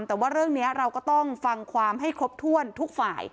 แต่ว่าเรื่องนี้เราก็ต้องฟังความให้ครบถ้วนทุกฝ่าย